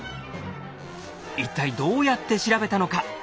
一体どうやって調べたのか？